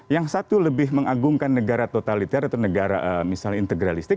yang satu lebih mengagumkan negara totaliter atau negara misalnya integralistik